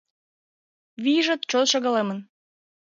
вийжат чот шагалемын.